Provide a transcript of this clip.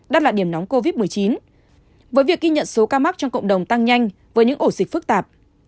đang là điểm nóng covid một mươi chín với việc ghi nhận số ca mắc trong cộng đồng tăng nhanh với những ổ dịch phức tạp